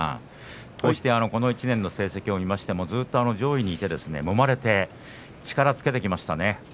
こうしてこの１年の成績を見ましてもずっと上位にいて、もまれて力をつけてきましたね。